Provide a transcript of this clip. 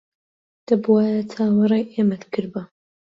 دەبوایە چاوەڕێی ئێمەت کردبا.